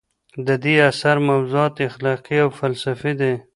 د دې اثر موضوعات اخلاقي او فلسفي دي.